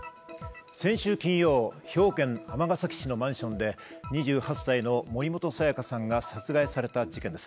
先週金曜、兵庫県尼崎市のマンションで２８歳の森本彩加さんが殺害された事件です。